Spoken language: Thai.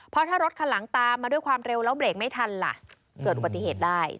เพราะถ้ารถคันหลังตามมาด้วยความเร็วแล้วเบรกไม่ทันล่ะเกิดอุบัติเหตุได้